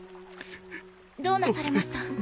どうなされました？